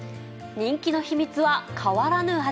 人気の秘密は変わらぬ味。